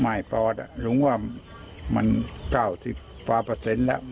ไม่ปลอดภัยหรือว่ามัน๙๕แล้ว